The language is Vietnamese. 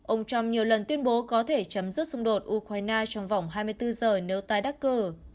ông trump nhiều lần tuyên bố có thể chấm dứt xung đột ukraine trong vòng hai mươi bốn giờ nếu tái đắc cử